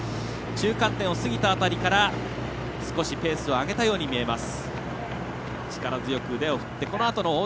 中間点を過ぎた辺りから少しペースを上げたように見えます。